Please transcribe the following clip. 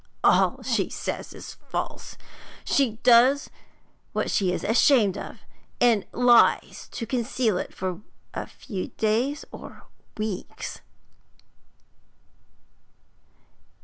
'All she says is false. She does what she is ashamed of, and lies to conceal it for a few days or weeks.'